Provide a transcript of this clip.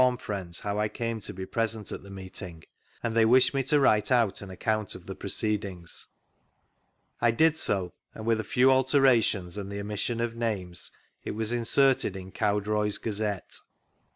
SMITH'S NARRATIVE 71 Refonn friends how I came to be ptvsent at tbe meeting, and they wished mie to write out an account of the proceedings. I did so, and with a few alterations and the omission of names it was inserted in Cowdroy's Gazette.